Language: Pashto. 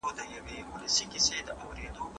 ټولنیز واقعیتونه تل بدلون مومي.